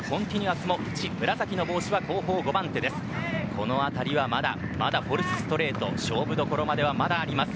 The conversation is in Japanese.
この辺りはまだフォルスストレート勝負どころまではまだあります。